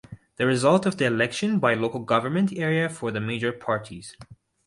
The results of the election by local government area for the major parties.